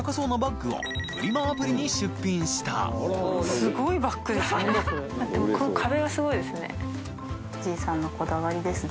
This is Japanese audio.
すごいバッグですね。